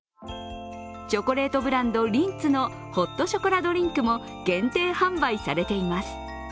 チョコレートブランド、リンツのホットショコラドリンクも限定販売されています。